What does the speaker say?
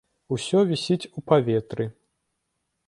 Усё вісіць у паветры.